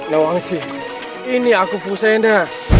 nawangsi ini aku pusatnya